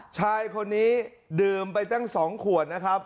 ชายคนนี้ดื่มไปตั้ง๒ขวดนะครับ